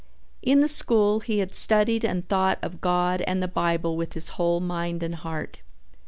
In the school he had studied and thought of God and the Bible with his whole mind and heart.